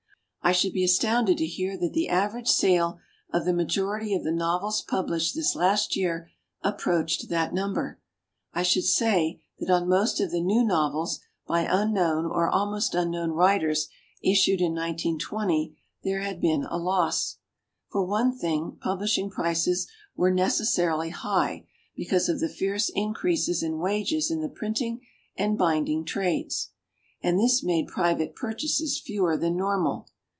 I should be astounded to hear that the average sale of the majority of the novels published this last year approached that number. I should say that on most of the new novels by un known or almost unknown writers is sued in 1920, there had been a loss. For one thing, publishing prices were necessarily high, because of the fierce increases in wages in the printing and binding trades ; and this made private purchases fewer than normal.